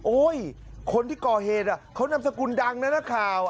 โอ้ยคนที่ก่อเหตุอ่ะเขานำสกุลดังนะนะข่าว